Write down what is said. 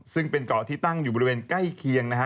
ซึ่งเป็นเกาะที่ตั้งอยู่บริเวณใกล้เคียงนะฮะ